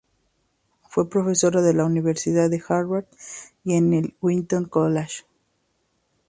Fue profesora en la Universidad de Harvard y en el Wheaton College.